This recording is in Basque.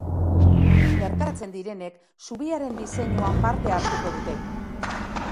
Bertaratzen direnek zubiaren diseinuan parte hartuko dute.